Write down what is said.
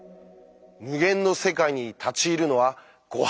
無限の世界に立ち入るのはご法度。